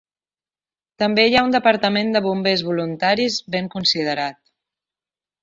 També hi ha un departament de bombers voluntaris ben considerat.